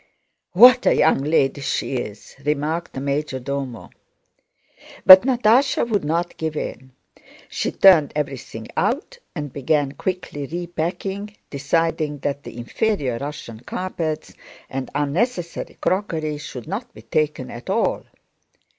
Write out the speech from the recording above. "What a young lady she is!" remarked the major domo. But Natásha would not give in. She turned everything out and began quickly repacking, deciding that the inferior Russian carpets and unnecessary crockery should not be taken at all.